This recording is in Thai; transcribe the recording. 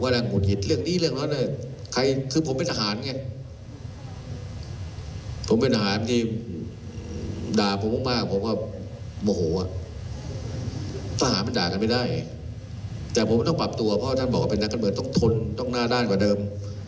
แต่ผมต้องปรับตัวเพราะท่านบอกว่าเป็นนักการเมืองต้องทนต้องหน้าด้านกว่าเดิม